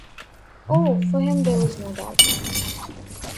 Oh, for him there was no doubt.